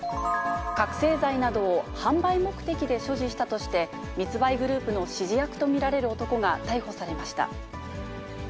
覚醒剤などを販売目的で所持したとして、密売グループの指示役と見られる男が逮捕されました。